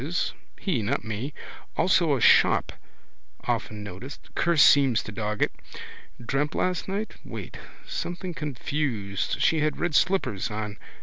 Fate that is. He, not me. Also a shop often noticed. Curse seems to dog it. Dreamt last night? Wait. Something confused. She had red slippers on.